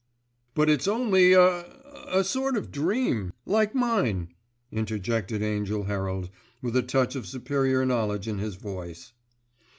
"But it's only a—a—sort of dream, like mine," interjected Angell Herald, with a touch of superior knowledge in his voice.